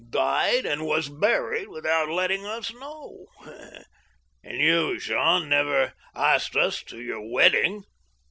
— died and was buried without let* ting us know. And you too, Jean, never asked us to your wedding."